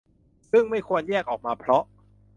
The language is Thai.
ซึ่งไม่ควรแยกออกมาเพราะ